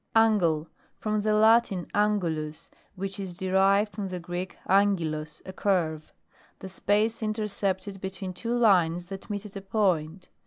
ANGLE. From the Latin, angulus, which is derived from the Greek ag. kulos, a curve. The space intercept ed between two lines that meet at a point.